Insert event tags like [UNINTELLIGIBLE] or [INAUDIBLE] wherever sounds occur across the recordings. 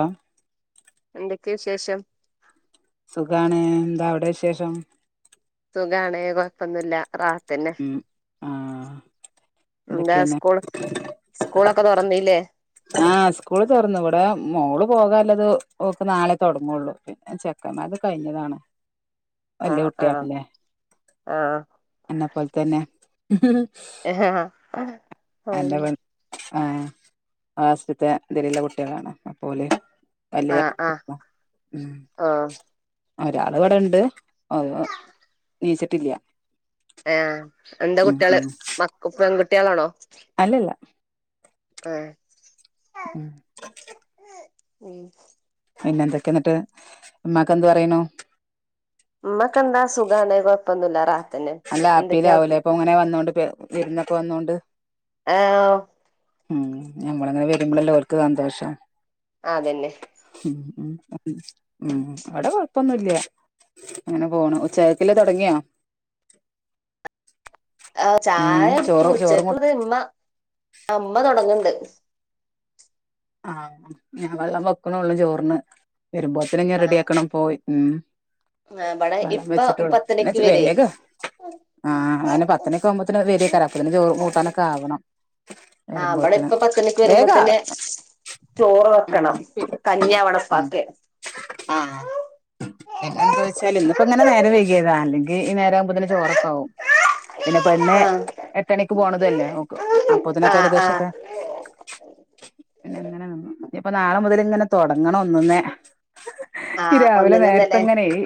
ആഹ് എന്തൊക്കെയാ വിശേഷം? സുഖാണ് എന്താ അവിടെ വിശേഷം? സുഖാണ് കൊഴപ്പൊന്നുല്ലാ റാ ഉം ആഹ് എന്താ എന്തൊക്കെയാ സ്കൂൾ പിന്നെ? സ്കൂളൊക്കെ തുറന്നില്ലേ ആഹ് സ്കൂള് തൊറന്നു ഇവിടെ മോള് പോകാല്ലെത് ഓക്ക് നാളെ തൊടങ്ങുള്ളൂ പി ന്നെ ചെക്കൻമാരെത് കഴിഞ്ഞതാണ് വല്യ ആഹ് കുട്ടി ആയപ്പം ല്ലേ ആഹ് എന്നെ പോലെ തെന്നെ ആഹ് ആഹ് എന്റെ പെൺ ആഹ് ക്ലാസ്സ്ത്തെ ഇതില്ള്ള കുട്ട്യേളാണ് അപ്പ ഓല് [UNINTELLIGIBLE] ആക്ക് ആഹ് കൊടുക്കും ഉം ഓഹ് ഒരാള് ഇവിടെ ഇണ്ട് ഒര് നീച്ചിട്ടില്ലാ ആഹ് എന്താ കുട്ട്യേള് മക് പെൺകുട്ടിയേളാണോ? അല്ല അല്ലാ ആഹ് ഉം ഉം പിന്നെ എന്തൊക്കെയാ ഇന്നിട്ട് ഉമ്മാക്കെന്ത് പറയണു? ഉമ്മെക്കെന്താ സുഖാണ് കൊഴപ്പൊന്നുല്ലാ റാഹത്തെന്നെ നല്ല ഹാപ്പിയിലാവൂല്ലേ ഇപ്പം ഇങ്ങനെ വന്നോണ്ട് പെ വിരുന്നൊക്കെ വന്നോണ്ട്. ആഹ് ഉം ഞമ്മള് ഇങ്ങനെ വെരുമ്പളല്ലേ ഓല്ക്ക് സന്തോഷം അതന്നെ ഉം ഉം ഉം ഇവടെ കൊഴ പ്പൊന്നുല്ലാ അങ്ങനെ പോണു ഉച്ചക്കേക്ക്ള്ളെ തൊടങ്ങിയോ? ആഹ് ഉം ചായ കുടിച്ചു ചോറ് ചോറും കു ഉച്ചേക്ക്ള്ളത് ഉമ്മ ഉമ്മ തൊടങ്ങ്ണ്ട് ആഹ് ആഹ് ഞാ വെള്ളം വെക്കണോള്ളൂ ചോറിന് വെരുമ്പോത്തിന് ഇഞ്ഞ് റെഡി ആഹ് ആക്കണം പോയി ഉം ഇവിടെ വെള്ളം ഇപ്പ വെച്ചിട്ടോള്ളു പത്തരക്ക് [UNINTELLIGIBLE] വരേ വേഗ് ആഹ് അത് പിന്നെ പത്തണിഒക്കെ ആവുമ്പോത്തിന് വെരെയ്കാരം അപ്പോത്തിന് ചോറും കൂട്ടാനൊക്കെ ആവണം ആഹ് ഇബടെ വരുമ്പോത്തിന് ഇപ്പ പത്തണിക്ക് വെരുമ്പ വേഗാ തന്നെ ചോറ് ഉം വെക്കണം കഞ്ഞി ആവണം ഉം ഇപ്പാക്ക് ആഹ് പിന്നെ എന്താ വെച്ചാല് ഇന്ന് ഇപ്പ ഇങ്ങനെ നേരെം വെയ്കിയതാ അല്ലെങ്കി ഈ നേര ആവുമ്പോത്തിന് ചോറൊക്കെ ആവും പിന്നെ പെണ്ണ് എട്ടണിക്ക് പോണതും അല്ലേ ഓക്ക് ആ അപ്പോത്തിനൊക്കെ ആ ആ ഏകദേശം ഒക്കെ പിന്നെ ഇങ്ങനെ നിന്നു ഇഞ്പ്പ നാളെ മുതല് ഇങ്ങനെ തൊടങ്ങണം ഒന്ന്ന്ന് ആ ഈ രാവിലെ നേരത്തെ ഒന്നുങ്ങന്നല്ലേ ഇങ്ങനെയ് ഇ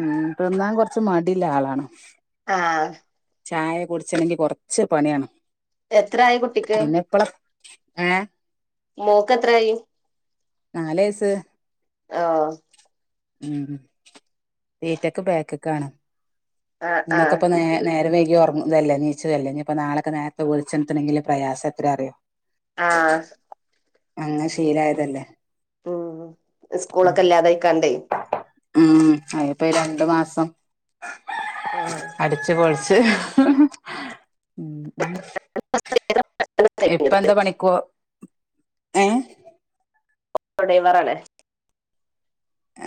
ഉം തിന്നാൻ കൊർച്ച് മടില്ല ആളാണ് അഹ് ആഹ് ചായ കുടിച്ചെണെങ്കി കൊർച്ച് പണിയാണ് എത്രായി കുട്ടിക്ക് പിന്നെ ഇപ്പള ഏഹ് മോക്ക് എത്രായി നാല് വയസ്സ് ആഹ് ഉം തീറ്റക് ബേക്ക്ക്കാണ് ആ ആ ഇന്നൊക്കെപ്പ നേ നേരം വൈകി ഓറങ്ങ്ന്ന്തല്ലേ നീച്ചത് അല്ലെ ഇഞ്പ്പൊ നാളെക്കെ നേരത്തെ വിളിച്ചൊൺത്തണെങ്കില്ള്ള പ്രയാസം എത്രെ അറിയോ ആഹ് അഹ് അങ്ങനെ ശീലായതല്ലേ ഉം ഉം ഇസ്കൂളൊക്കെ ഇല്ലാതയ്ക്കാണ്ടെയ് ഉം അയ്പ്പ ഈ രണ്ട് മാസം ആ അടിച്ച് പൊൾച്ച് ഉം ഇപ്പ ഓട്ടോ എന്താ പണിക്കോ ഏ സ്കൂൾ ഡൈവറല്ലേ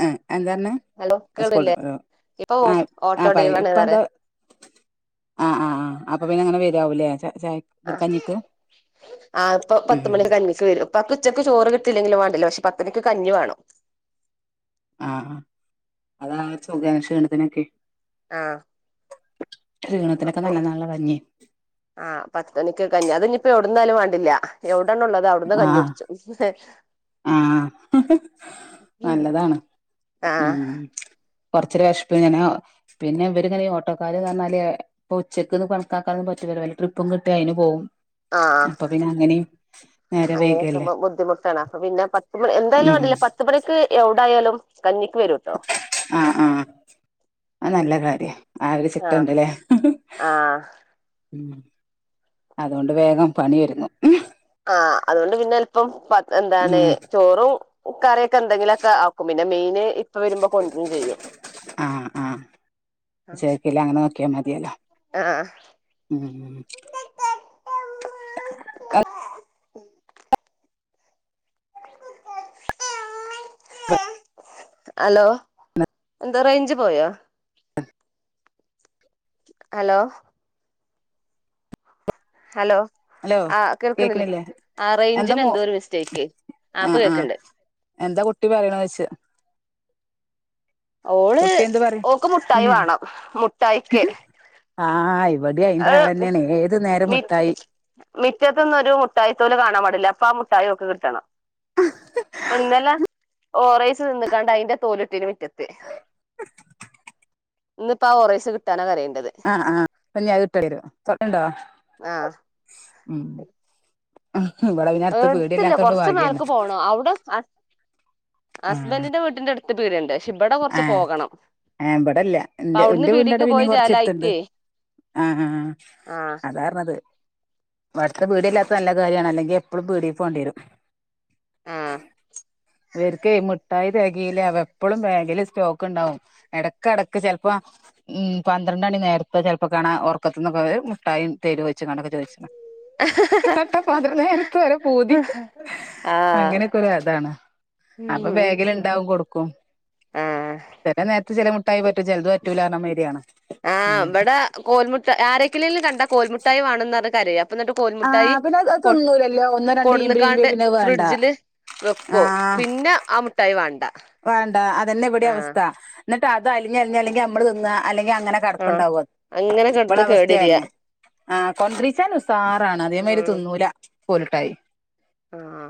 എഹ് എന്താപർഞ്ഞ് ഹലോ സ്കൂളൾ കേൾക്കണില്ലേ ഡ്രൈവറോ ഇപ്പൊ ആഹ് ഓട്ടോ ആഹ് പറയ് ഡ്രൈവറാണ് ഇപ്പ പറയാ എന്താ ആഹ് ആഹ് ആഹ് അപ്പ പിന്നെ അങ്ങനെ വെരാവുംല്ലേ ചാ ചായ ആഹ് കഞ്ഞിക്ക് ആഹ് ഇപ്പ ഉം പത്ത്മണിക്ക് കഞ്ഞി ക്ക്‌ വരും പ്പാക്ക് ഉച്ചക്ക് ചോറ് കിട്ടില്ലെങ്കിലും വാണ്ടില്ല പക്ഷേ പത്തണിക്ക് കഞ്ഞി വേണം ആഹ് ആഹ് അതാണ് ച്ചൊകേനും ഷീണത്തിനൊക്കെ ആഹ് ക്ഷീണത്തിനൊക്കെ അപ്പൊ നല്ലതാണല്ലോ കഞ്ഞി ആഹ് പത്തണിക്ക് കഞ്ഞി അത് ഇഞ്പ്പൊ എവ്ട്ന്നായാലും വാണ്ടില്ല്യാ എവിടാണ്ള്ളത് അവ്ട്ന്ന് കഞ്ഞികുടിച്ചും ഹ് ഹ് ഹ ആഹ് നല്ലതാണ് ഉം ആഹ് ഉം കൊർച്ചൊരു വെഷ്പ്പ്ങ്ങനെ പിന്നെ ഇവര്ങ്ങനെ ഈ ഓട്ടോക്കാര്ന്ന് പർഞ്ഞാല് ഇപ്പൊ ഉച്ചക്ക്ന്ന് കണക്കാക്കാനൊന്നും പറ്റൂലല്ലോ വല്ല ട്രിപ്പും കിട്ട്യാ അയ്ന് പോവും ആഹ് അപ്പ പിന്നെ അങ്ങനിം നേരം വെയ്കല്ലേ താണ് അപ്പ പിന്നെ പത്ത് മണി എന്തായാലും വേണ്ടില്ല പത്തുമണിക്ക് എവ്ടായാലും കഞ്ഞിക്ക് വെരും ആഹ് ആഹ് അഹ് നല്ല കാര്യ ആ ഒര് ആഹ് ചിട്ടണ്ട്ല്ലേ ആഹ് ഉം അതോണ്ട് വേഗം പണി ഒര്ങ്ങും ആഹ് അത്കൊണ്ട് പിന്നെ ചെൽപ്പം പത് എന്താണ് ഉം ചോറും കറിയൊക്കെ എന്തെങ്കിലൊക്കെ ആക്കും പിന്നെ മീന് ഇ പ്പ വെരുമ്പൊ കൊണ്ട്രും ചെയ്യും അഹ് ഇല്ല അങ്ങനെ നോക്കിയാ മതിയേല്ലൊ ആഹ് ഉം ഹലോ എന്താ റേഞ്ച് പോയോ ഹലോ ഹലോ ഹലോ ആഹ് കേൾക്ക്‌ണ്ല്ലേ കേക്കണില്ലേ ആഹ് എന്താ റേഞ്ചിന് മോ എന്തോ ഒരു മിസ്റ്റേക്ക് ആഹ് പ്പകേൾക്ക്‌ണ്ട് എന്താ കുട്ടി പറയണോയ്ച്ചാ ഓള് കുട്ടി എന്ത് പറയ ഓക്ക് മുട്ടായി ഉം വാണം മുട്ടായിക്ക് ആഹ് ഇവിടെ അയിന്റെ ആളന്നെയാണ് ഏത് നേരം മി മിട്ടായി മിറ്റത്തൊന്നും ഒരു മുട്ടായിത്തോല് കാണാൻ പാടില്ല അപ്പൊ ആ മുട്ടായി ഓക്ക്‌ കിട്ടണം ഇപ്പന്നലെ ഓറേയ്സ് തിന്ന്ക്കാണ്ട് അയിന്റെ തോല്ട്ടിന് മിറ്റത്ത് [INAUDIBLE] ഇന്നിപ്പോ ആ ഓറേയ്സ് കിട്ടാന കരേണ്ടത് ആഹ് ആഹ് പ്പം ഞ്ഞ് അത് കിട്ടണ്ടി വരും തുട്ടണ്ടോ ആഹ് ഉം ഇവിടെ പിന്നെ അടുത്ത് എടുത്തില്ല പീടിയല്ലാത്തോണ്ട് കൊറച്ച് ഭാഗ്യാണ് മേലക്ക് പോണം അവിടെ അ ആഹ് ഹസ്ബന്റിന്റെ വീട്ന്റെ അടുത്ത് പീട്യണ്ട് പക്ഷെ ഇബടെ കുറച്ച് പോകണം ഏഹ് ഇബടെല്ല അപ്പൊ ഇന്റെ അവിടുന്ന് ന്റെ പീടിക്ക് വീടിന്റെടെ പിന്നിം പോയി കുറച്ചെടുത്ത്ണ്ട് ചേലായിട്ടേ ആഹ് ആഹ് ആഹ് അതാ ർഞ്ഞത് അടുത് പീട്യ ഇല്ലാത്ത നല്ല കാര്യമാണ് അല്ലെങ്കിൽ എപ്പളും പീടീക്ക്‌ പോണ്ടി വരും ആഹ് ഇവർക്കെ മിഠായി തെകയില്ല അവ എപ്പളും വേ ല് സ്റ്റോക്ക് ഉണ്ടാവും ഇടക് ഇടക്ക് ചെലപ്പോ ഉം പന്ത്രണ്ട് മണി നേരത്തെ ചിലപ്പോ കാണാ ഒർക്കത്തിന്നൊക്കെ മുട്ടായി തരോയ്ച്ച്കാണ്ടൊക്കെ ചോദിച്ചു [UNINTELLIGIBLE] നട്ട പാതിരാ നേരത്ത് വരെ പൂതി ആഹ് അങ്ങനെയൊക്കെ ഒരു അതാണ് അപ്പൊ ഉം ബേഗിൽ ഇണ്ടാവും കൊടുക്കും ആഹ് ചെല നേരത്ത് ചെലെമുട്ടായി പറ്റും ചിലത് പറ്റൂലാർഞ്ഞ മാരിയാണ് ആഹ് ഉം ഇവിടെ കോൽമുട്ട ആരൊക്കെലേലും കണ്ടാ കോൽമുട്ടായി വേണംന്ന് പറഞ്ഞ് കരിം അപ്പ എന്നട്ട് കോൽമുട്ടായി ആഹ് പിന്നെ അത് അത് കൊ തിന്നൂലല്ലോ ഒന്നോ രണ്ടോ ഈമ്പ് ഈമ്പിയ കൊട്ന്ന്ക്കാണ്ട് പിന്നെ അത് വേണ്ട ഫ്രിഡ്ജില് വെക്കും ആഹ് പിന്നെ ആ മുട്ടായി വാണ്ട വേണ്ട അതന്നെ ഇവിടെ അവസ്ഥ എന്നി്ട്ട് അത് അലിഞ്ഞു അലിഞ്ഞല്ലെങ്കിൽ നമ്മള് തിന്ന അല്ലെങ്കിൽ അങ്ങനെ ആഹ് കെടക്കണ്ടാവും അങ്ങനെ ഇബള കിടന്ന് അവസ്ഥി കേടരിയാ അതന്നെ ആ കൊണ്ടീച്ചാൻ ഉസാറാണ് അതേമാതി ഉം തിന്നുല്ല കോലുട്ടായി ആഹ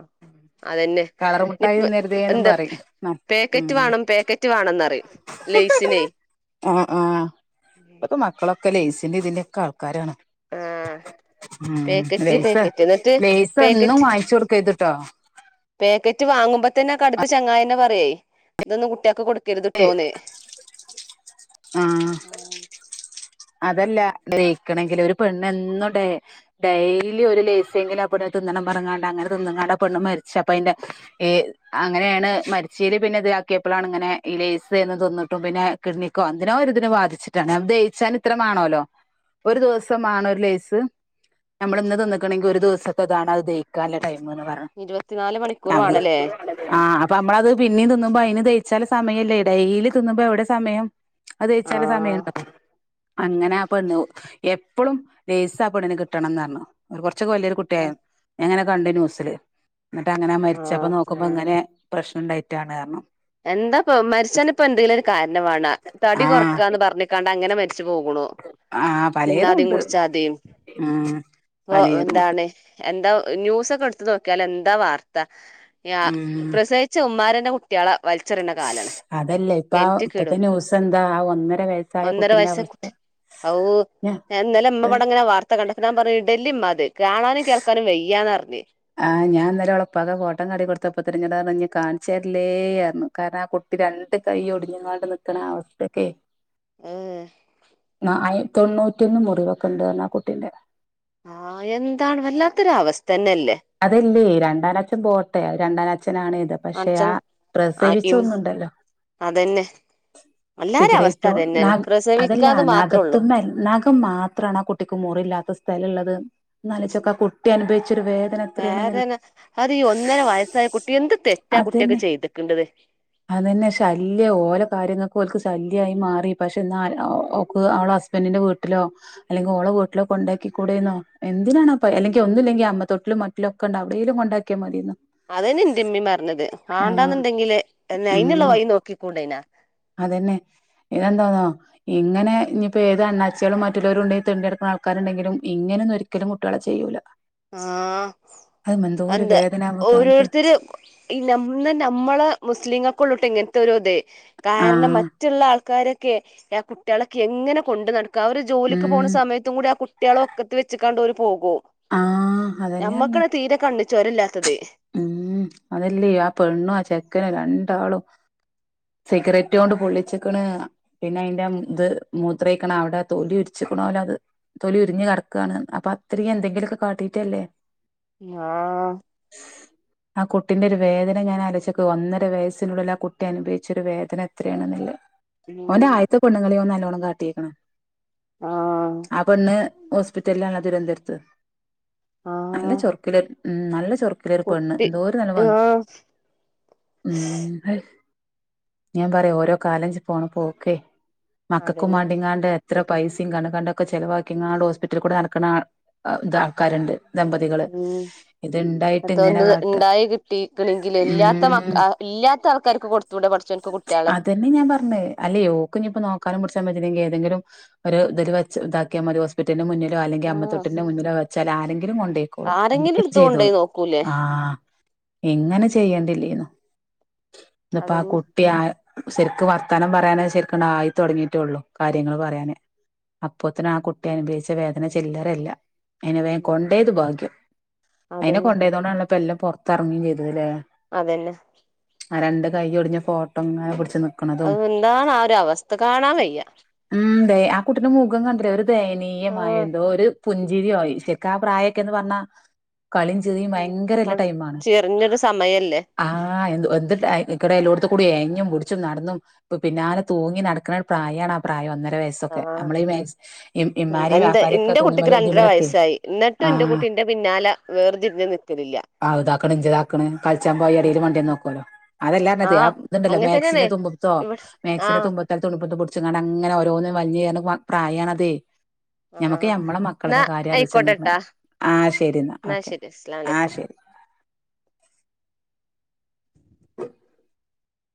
അതെന്നെ കളർ മുട്ടായി പ്പ തിന്നരുതേന്നും എന്താ പറയും ഉം പേക്കറ്റ് വാണം പേക്കറ്റ് വാണംന്നറയും [INAUDIBLE] ആഹ് ആഹ് ഇപ്പത്തമക്കളൊക്കെ ലൈസിന്റെ ഇതിന്റെക്കെ ആൾക്കാരാണ് ആഹ് ഉം ഉം പാക്കറ്റ് ലൈസ് പാക്കറ്റ് എന്നിട്ട് ലൈസെന്നും വാങ്ങിച്ച് കൊടുക്കര്ത്ട്ടോ പേക്കറ്റ് വാങ്ങുമ്പ തന്നെ കടുത്ത ചങ്ങായന്നെ പറയേ ഇതൊന്നും കുട്ടിയാക്ക് കൊടു ഏ ആഹ് അതല്ല വിയിക്കണെങ്കില് ഒര് പെണ്ണെ എന്നും ടെ ഡെയിലി ഒരു ലൈസെങ്കിലും ആ പെണ്ണിന്ന് തിന്നണം പർഞ്ഞ്കാണ്ട് അങ്ങനെ തിന്ന്കാണ്ട് ആ പെണ്ണ് മരിച്ച് അപ്പഅയിന്റെ ഈ അങ്ങനെണ് മരിച്ചലി പിന്നെ ഇത് ആക്കിയപ്പളാണ് ഇങ്ങനെ ഈ ലൈസ് എന്ന് തോന്നിട്ടും പിന്നെ കിഡ്നിക്കോ എന്തിനോ ഒരുതിന് ബാധിച്ചിട്ടാണ് അപ്പൊദഹിച്ച ഇത്രമാണല്ലോ ഒരു ദിവസമാണോരു ലൈസ് ഞമ്മള് ഇന്ന് നിന്ന്ക്ക്ണെങ്കി ഒര് ദിവ്സെത്തെതാണ് അത് ദയ്ക്കാല്ലെ ടൈമ്ന്ന് പറ ഇരുപത്തിനാല് മണിക്കൂർ ഞമ്മള് വേണല്ലേ പ്പെളും [UNINTELLIGIBLE] ആഹ് അപ്പ നമ്മളത് പിന്നീം തിന്നുമ്പം അയ്ന് ദയ്ച്ചാല്ലെ സമയെല്ലേ ഡെയ്ലി തിന്നുമ്പം എവ്ടെ സമെയം അത് ദയ്ച്ചാല്ലെ ആഹ് സമയണ്ടാെ അങ്ങെനെ ആ പെണ്ണു എപ്പളും ലെയ്സാ പെണ്ണ്ന് കിട്ടണംന്നർഞ്ഞു കാെർച്ചൊക്കെ വല്യാെരു കു ട്ട്യാ ഞാങ്ങെനെ കണ്ട് നൂസ്‌ല് ന്നട്ട് അത് അങ്ങെനെ ആഹ് മര്ച്ചപ്പം നോക്കുമ്പങ്ങെനേ പ്രശ്നണ്ടായ്റ്റാണ് അർണു എന്താപ്പം മര്ച്ചാന്പ്പം എന്തേലൊരു കാര്ണം മാണ തടി ആഹ് കാെർക്കാന്ന് പർഞ്ഞ്ക്കാണ്ട് അങ്ങെനെ മര് ച്ച് പോക്ണു ആഹ് പലേതും തിന്നാതിം ഉണ്ട് കുട്ച്ചാതിം ഉം പ്പോ പലേതും ഉണ്ട് എന്താണ് എന്താ ന്യൂസൊക്കെട്ത്ത് നോക്ക്യാല് എന്താ വാർത്ത യാ ഉം പ്രസവി ചുമ്മാരെന്റെ കുട്ട്യാളാ വൽച്ചെറിണെ സ് അതല്ലെ ഇപ്പ ആ ഇപ്പെത്തെ ന്യൂസെന്താ ആ ഒന്നെര വെയ്സ്സായ കുട്ടിന്റെ അവസ്ഥ അവൂ ഞാ ഞാൻ ഇന്നെലെ ഇമ്മവെടെങ്ങെനെ വാർ ത്ത കണ്ട് അപ്പ ഞാം പർഞ്ഞ് ഇടെല്ലിമ്മാത് കാണാനും കേൾക്കാനും വയ്യാന്ന് പർഞ്ഞ് ആഹ് ഞാ ന്നെലെ ഓളെപ്പാക്കാ ഫോട്ടം കാട്ടിക്കൊട്ത്തപ്പോത്ത്ന് ഞ്ഞോടർഞ്ഞ് ഞ്ഞ് കാൺച്ചെര്ല്ലേ അർണു കാര്ണം ആ കു രണ്ട് കയ്യൊട്ഞ്ഞ്ങ്ങാണ്ട് നിക്ക്ണ ആ അവസ്ഥാെക്കേ ഊം ആഹ് അയി തൊണ്ണൂറ്റ്യൊന്ന് മുറിവാെക്കെണ്ട് അർഞ്ഞ് ആ കുട്ടിന്റെ ആഹ് എന്താണ് വല്ലാത്തൊര് അവസ്ഥന്നെല്ലെ അതയ്ന്റെ രണ്ടാനച്ഛം പോട്ടെ അത് രണ്ടാനച്ഛനാണ് കെര്ത പക്ഷെ ആ പടച്ചോനെ പ്രസവിച്ചാെന്ന്ണ്ടല്ലാെ അതന്നെ എല്ലാരെ അവസ്ഥ സിഗെരേറ്റും അതന്നെയാണ് നഖ് അതല്ല പ്രസവിക്കാന്ന് മാത്രേള്ളൂ നഖത്ത്‌മ്മേ നഖ് മാത്രാണാ ആ കുട്ടിക്ക് മുറില്ലാത്ത സ്ഥലള്ളെത് ന്നാലൊയ്ച്ചാേക്കാ ആ കുട്ടി അനുഭവിച്ചാെരു വേദന എത്രയാണെന്ന് വേദന അത് ഈ ഒന്നെര വയസ്സായ കുട്ടി എന്ത് തെറ്റാ കുട്ട്യൊക്കെ ചെയ്ത്ക്ക്ണ്ടെത് അതെന്നെ ശല്യം ഓലെ കാര്യങ്ങക്ക് ഓൽക്ക് ശല്യായി മാറി പക്ഷെ ന്നാൽ ഓക്ക് ഓളസ് ബെന്റിന്റെ വീട്ട്ലോ അല്ലെങ്കി ഓളെ വീട്ട്ല് കൊണ്ടേക്കി കൂടേന്നോ എന്തിനാണാ പ എല്ലെങ്കി ഒന്നുല്ലെങ്കി അമ്മ തൊട്ട്ലും മ ലൊക്കെണ്ട് അവ്ടേലും കൊണ്ടാക്ക്യ മത്യേര്ന്നു അതെന്നെ ഇന്റിമ്മിം പർഞ്ഞെത് മാണ്ടാന്ന്ണ്ടെങ്കില് എൻ അയ്ന്ള്ളെ വഴി നോക്കിക്കൂടേനാ അതെന്നെ ഇതെന്താേന്നോ ഇങ്ങെനെ ഞ്ഞ്പ്പേത് അണ്ണാച്ച്യേളും മറ്റുല്ലോരുണ്ടെ തെണ്ടി നടക്ക്ണ ആൾക്കാര്ണ്ടെങ്കിലും ഇങ്ങെനെന്നാെര് ക്കെലും കുട്ട്യോളെ ചെയ്യൂല ആഹ് അത് എന്തോ ഒരു അന്താ വേദന നമുക്ക് കാണിട്ട് ഓരോര്ത്തെ‌ര് ഈ നം ന്ന നമ്മളെ മുസ്‌ലീങ്ങക്കൊള്ളുട്ട ഇങ്ങൻത്താേരാേതേ കാര്ണം മ ആഹ് റ്റ്ള്ള ആൾക്കാരൊക്കെ എഹ് കുട്ട്യാളൊക്കെ എങ്ങെനെ കൊണ്ട് നട്ക്കാ അവെര് ജോലിക്ക് ഉം പോക്ണ സമയ ത്തും കൂടെ ആ കുട്ട്യാളെ ഒക്കത്ത് വെച്ച്ക്കാണ്ട് ഓല് പോകും ആഹ് അതന്നെ ഞമ്മക്കാണ് തീരെ കണ്ണ് ചോരല്ലാത്തത് ഊം അതെല്ലെ ആ പെണ്ണും ആ ചെക്കനും രണ്ടാളും സിഗ്റെറ്റോണ്ട് പൊള്ളിച്ച്ക്ക്ണ് പിന്നെ അയ്ന്റെ ഇത് മൂത്രയ്ക്ക്ണ അവ്ടെ തൊലി ഉര്ച്ച്ക്ക്ണാേലാെ അത് തൊലി ഉര്ഞ്ഞ് കട്ക്കാണ്ന്ന് അപ്പം അത്രീം എന്തെങ്കിലാെക്കെ കാട്ടീട്ടെല്ലെ ആഹ് ആ കുട്ടിന്റെര് വേദന ഞാൻ അലയ്ച്ചക്ക് ഒന്നര വയസ്സിനുള്ളില് ആ കുട്ടി അനുഭവിച്ചൊരു വേദന എത്രേണ്ന്ന്ല്ല. ഓന്റെ ഉം ആയത്തെ പെണ്ണുങ്ങളീം ഓൻ നല്ലോണം കാട്ടീക്ക്ണ്. ആഹ് ആ പെണ്ണ് ഹോസ്പിറ്റൽലാണ് തിരുവന്തര്ത്ത്. ആഹ്. നല്ല ചൊർക്കിലെ ഉം നല്ല ചൊർ ക്ക്ലൊരു പെണ്ണ് കുട്ടി എന്തോര് നല്ല വ ആഹ് ഉം. ഹയ് ഞാൻ പറയാ ഓരോ കാലഞ്ച് പോവ്ണ പോക്കെ. മക്കക്കും അതന്നെ മാണ്ടിങ്ങ്ണ്ട്. ഇത്ര പൈസിം കണ്ണ് കണ്ടൊക്കെ ചെലവാക്കിങ്ങാട് ഹോസ്പിറ്റൽ കൂടെ നട്ക്ക്ണാണ് അ ഇത് ആൾക്കാര്ണ്ട്. ദമ്പതികള് ഇത്ണ്ടായി ഇതൊന്ന് ഇണ്ടായി കിട്ടിക്ണെങ്കില് ഇല്ലാത്ത ഉം മക് അ ഇല്ലാത്ത ആൾക്കാര്ക്ക് കൊടുത്തൂടെ പട്ച്ചോൻക്ക് കുട്ട്യാളെ. അതന്നെ ഞാൻ പർഞ്ഞെ അല്ലേ ഓക്ഞ്ഞ്പ്പ നോക്കാനും പുട്ച്ചാനും പറ്റുലെങ്കി ഏതെങ്കിലും. ഒരു ഇത് ല് വെച്ച് ഇതാക്ക്യാ മതി ഹോസ് പിറ്റൽന്റെ മുന്നിലോ അല്ലെങ്കി ആഹ് അമ്മത്തൊട്ടിൽന്റെ മുന്നിലോ വെച്ചാല് ആരെങ്കിലും കൊണ്ടേയ്ക്കോളും ആരെങ്കിലും എന്തങ്കി എടുത്ത് കൊണ്ടോയി ചെയ്തോളും. നോക്കൂലേ ആഹ് ഇങ്ങനെ ചെയ്യെണ്ടില്ലേന്നു ഇത്പ്പാ കു അതന്നെ ട്ട്യാ സെര്ക്ക് വർത്തനം പറയാനേ ശരിക്ക്ട് ആയിത്തൊട്ങ്ങിറ്റൊള്ളു കാര്യങ്ങൾ പറയാന്. അപ്പോത്തിന് ആ കുട്ടി അനുഭവിച്ച വേദന ചില്ലറെല്ല. അയിനെ വേ ഉം കൊണ്ടയത് ഭാഗ്യം അയ്നെ വേം കൊണ്ടെയത് ഭാഗ്യം അയ്നെ അതന്നെ കൊണ്ടെയ്തോണ്ടാണല്ലൊപ്പ എല്ലം പൊർത്തർങ്ങിം ചെയ്തത് ലേ. അതന്നെ. ആ രണ്ട് കയ്യൊട്ഞ്ഞ ഫോട്ടൊങ്ങനെ പുട്ച്ച്ന്ന്. അതെന്താണ് ആ ഒരു അവസ്ഥ കാണാൻ വയ്യ. ഉം ദെ ആ കുട്ടിന്റെ മുഖം കണ്ടിലെ ഒരു ദയനീയമായ ആഹ് എന്തോ ഒര്. പുഞ്ചിരിയോയി ശെരിക്ക് ആ പ്രായൊക്കെന്ന് പറഞ്ഞാ കളീം ചിറിം. ഉം പ ചെറിഞ്ഞൊരു സമയല്ലെ. ആഹ് എന്തു എന്തിട് ആയ് അയ്കൂടെ എല്ലോട്ത്തു കൂടി എയഞ്ഞും പുട്ച്ചും നട്ന്നും. അപ്പ പിന്നല തൂങ്ങി നടക്ക്ണരു പ്രായാണാ പ്രായം ഒന്നര വയസ്സ്. ഇതൊക്കെ ആഹ് നമ്മളി വയസ് ഇ ഇമ്മാരി എന്റെ വാപ്പാരി ഒക്കെ ഇന്റെ തുണിമലും ഇതിമലൊക്കെയ് ആഹ്. ന്റെ പിന്നാല വേർതിരിഞ്ഞ് നിക്കലില്ല. ആവ് ഇതാക്ക്ണ് ഇഞ്ച താക്ക്ണ് കൾച്ചാമ്പോയടേല് മണ്ട്യന്ന് നോക്കോലൊ. അതെല്ലാ പറഞ്ഞതെ ആ ആഹ് ഇത്ണ്ടല്ലോ അങ്ങനെ തന്നെയാണ് മാക്സിൻ്റെ തുമ്പുത്തോ ഇവിടെ മാക്സിൻ്റെ ആഹ് തുമ്പ [UNINTELLIGIBLE] ഇപ്പ ഇത് പുട്ച്ച്ങ്ങാണ്ടങ്ങനെ ഓരോന്ന് വൽഞ് [UNINTELLIGIBLE] പ്രായാണതെ. ഞമ്മക്ക് ആഹ് ഞമ്മളെ മക്കള്ത എന്നാ കാര്യാലോയ്ച്ച ആയിക്കോട്ടെട്ടാ [UNINTELLIGIBLE] ആഹ് ശരിന്നാ ഓക്കെ. ആ അസ്സലാമലൈക്കും. ശരി [INAUDIBLE]